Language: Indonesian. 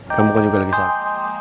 kamu kan juga lagi salah